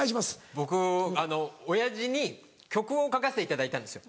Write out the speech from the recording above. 僕親父に曲を書かせていただいたんですよ。